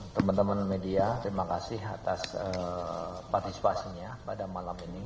teman teman media terima kasih atas partisipasinya pada malam ini